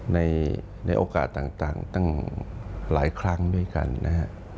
ในโอกาสต่างตั้งหลายครั้งด้วยกันนะฮะ